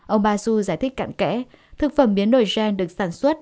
ông basu giải thích cạn kẽ thực phẩm biến đổi gen được sản xuất